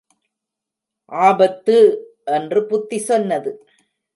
ஆபத்து! என்று புத்தி சொன்னது.